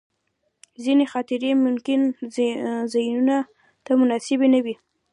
ځینې خاطرې ممکن ځینو ته مناسبې نه وي.